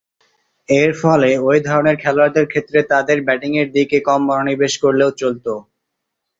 এরফলে, ঐ ধরনের খেলোয়াড়দের ক্ষেত্রে তাদের ব্যাটিংয়ের দিকে কম মনোনিবেশ করলেও চলতো।